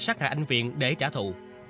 sát hạ anh viện để trả thụ